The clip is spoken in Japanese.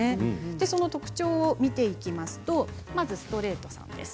その特徴を見ていきますとまず、ストレートさんです。